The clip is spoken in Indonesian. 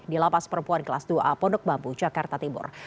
di lapas perempuan kelas dua a pondok bambu jakarta timur